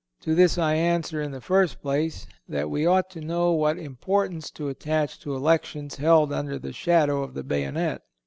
To this I answer, in the first place, that we ought to know what importance to attach to elections held under the shadow of the bayonet.